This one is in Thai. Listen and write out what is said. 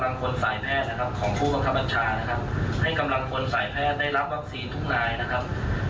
แต่ว่าก็อาจจะด้วยฝ่าเหตุที่เรื่องจับอาจจะดีใจหรือว่าดูเท่าไม่ถึงกลางในส่วนนี้ครับ